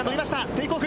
テイクオフ。